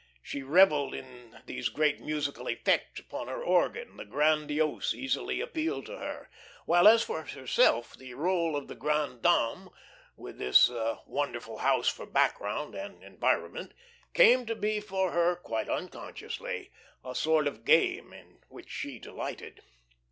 She revelled in these great musical "effects" upon her organ, the grandiose easily appealed to her, while as for herself, the role of the "grande dame," with this wonderful house for background and environment, came to be for her, quite unconsciously, a sort of game in which she delighted.